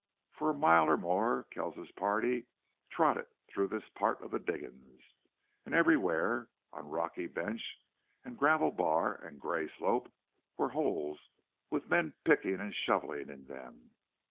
For a mile or more Kells's party trotted through this part of the diggings, and everywhere, on rocky bench and gravel bar and gray slope, were holes with men picking and shoveling in them.